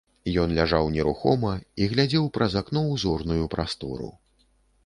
Ён ляжаў нерухома і глядзеў праз акно ў зорную прастору.